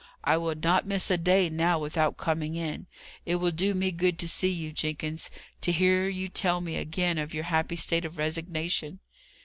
I will not miss a day now, without coming in. It will do me good to see you, Jenkins; to hear you tell me, again, of your happy state of resignation."